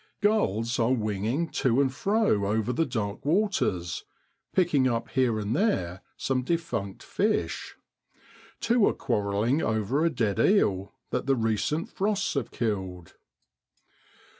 Gulls are winging to and 24 FEBRUARY IN SROADLAND. fro over the dark waters, picking up here and there some defunct fish. Two are quarrelling over a dead eel that the recent frosts have killed.